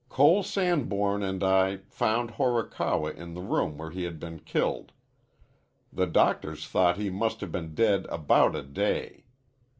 "Cole Sanborn and I found Horikawa in the room where he had been killed. The doctors thought he must have been dead about a day.